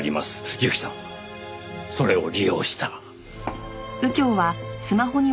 由季さんはそれを利用した。